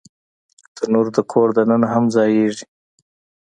تنور د کور دننه هم ځایېږي